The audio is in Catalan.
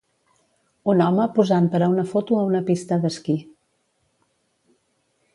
Un home posant per a una foto a una pista d'esquí.